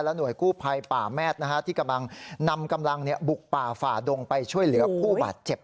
หน่วยกู้ภัยป่าแมทที่กำลังนำกำลังบุกป่าฝ่าดงไปช่วยเหลือผู้บาดเจ็บ